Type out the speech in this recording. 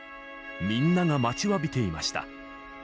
みんなが待ちわびていました。